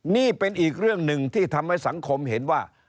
นี่เป็นอีกเรื่องหนึ่งที่ทำให้สังคมเห็นว่า